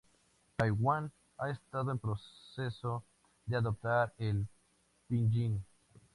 Taiwán ha estado en proceso de adoptar el pinyin.